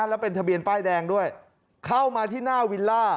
แล้วเป็นทะเบียนป้ายแดงด้วยเข้ามาที่หน้าวิลล่า